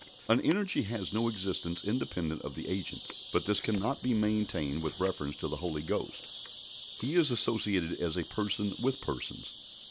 An energy has no existence independent of the agent, but this can not be maintained with reference to the Holy Ghost. He is associated as a Person with Persons.